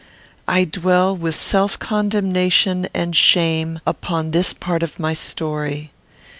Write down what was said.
I dwell, with self condemnation and shame, upon this part of my story.